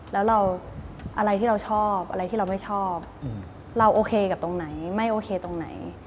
แล้วเราอะไรที่เราชอบอะไรที่เราไม่ชอบเราโอเคกับตรงไหนไม่โอเคตรงไหน